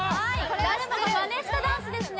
誰もがマネしたダンスですね